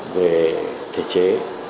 về thể chế